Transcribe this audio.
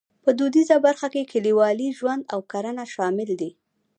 په دودیزه برخه کې کلیوالي ژوند او کرنه شامل دي.